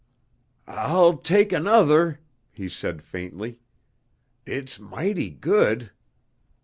"I'll take another," he said faintly. "It's mighty good!"